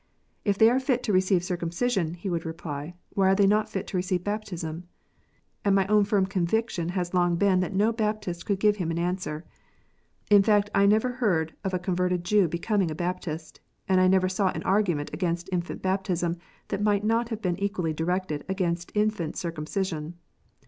"If they are fit to receive circumcision," he would reply, " why are they not fit to receive baptism 1 " And my own firm conviction has long been that no Baptist could give him an answer. In fact I never heard of a converted Jew becoming a Baptist, and I never saw an argument against infant baptism that might not have been equally directed against infant circumcision.